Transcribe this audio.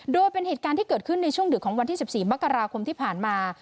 โดยเป็นเหตุการณ์ที่เกิดขึ้นในช่วงดึกของวันที่๑๔มกราคมที่ผ่านมา